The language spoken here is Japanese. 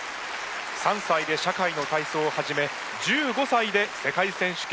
３歳で社会の体操を始め１５歳で世界選手権に出場。